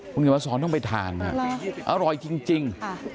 คุณเขียนมาสอนต้องไปทานอร่อยจริง